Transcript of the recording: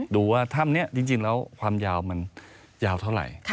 ดูว่าถ้ำนี้จริงแล้วความยาวมันยาวเท่าไหร่